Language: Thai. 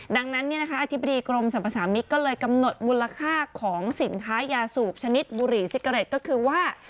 ดังนั้นอธิบดีกรมสรรพสามิตรก็เลยกำหนดมูลค่าของสินค้ายาสูบชนิดบุหรี่ซิกาเรตก็คือว่า